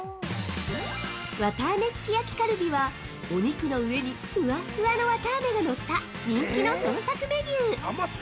◆「わたあめすき焼きカルビ」はお肉の上に、ふわふわのわたあめが乗った人気の創作メニュー。